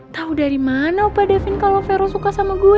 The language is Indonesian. tahu dari mana pak davin kalau vero suka sama gue